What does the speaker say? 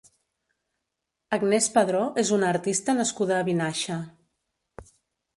Agnés Padró és una artista nascuda a Vinaixa.